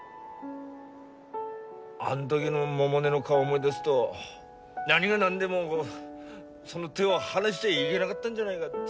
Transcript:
あん時の百音の顔を思い出すと何が何でもその手を離しちゃいげながったんじゃないがって。